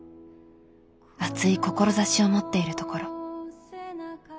熱い志を持っているところ。